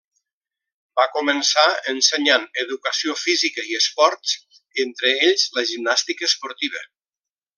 Va començar ensenyant educació física i esports, entre ells la gimnàstica esportiva.